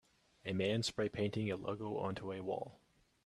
A man spray painting a logo onto a wall.